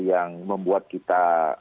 yang membuat kita